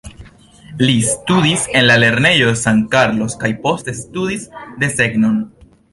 Li studis en la lernejo de San Carlos kaj poste studis desegnon.